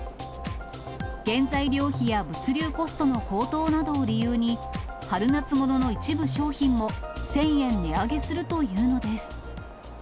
原材料費や物流コストの高騰などを理由に、春夏物の一部商品を、１０００円値上げするというのです。